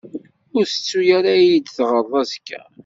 Ur tettu ara ad yi-d-taɣreḍ azekka.